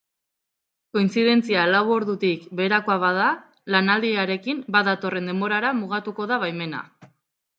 Kointzidentzia lau ordutik beherako bada, lanaldiarekin bat datorren denborara mugatuko da baimena.